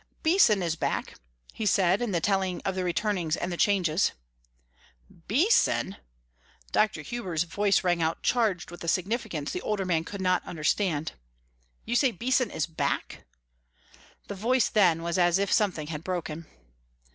"Beason is back," he said, in telling of the returnings and the changes. "Beason!" Dr. Hubers' voice rang out charged with a significance the older man could not understand. "You say Beason is back?" the voice then was as if something had broken.